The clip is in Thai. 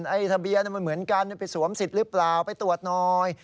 ไอ้ทะเบียนมันเหมือนกันไปสวมสิทธิ์หรือเปล่าไปตรวจหน่อย